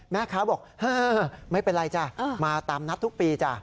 แม่ค้าบอกไม่เป็นไรจ้ะมาตามนัดทุกปีจ้ะ